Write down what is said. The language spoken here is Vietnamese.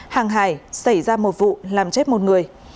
hàng hải xảy ra một vụ làm chết một người